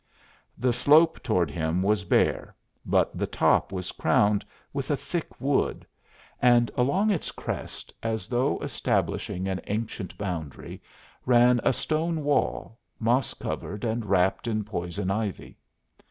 The slope toward him was bare, but the top was crowned with a thick wood; and along its crest, as though establishing an ancient boundary, ran a stone wall, moss covered and wrapped in poison ivy.